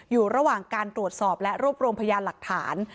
อยู่ระหว่างการตรวจสอบและรวบรวมพยานหลักฐาน